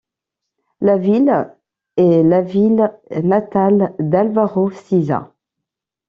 La ville est la ville natale d'Álvaro Siza.